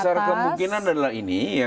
besar kemungkinan adalah ini